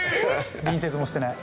隣接もしてない。